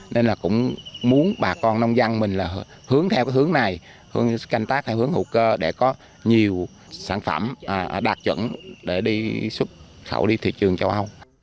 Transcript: nên là cũng muốn bà con nông dân mình là hướng theo cái hướng này hướng canh tác theo hướng hữu cơ để có nhiều sản phẩm đạt chuẩn để đi xuất khẩu đi thị trường châu âu